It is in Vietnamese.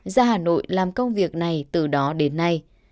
ra hà nội làm công việc này từ đó đến nay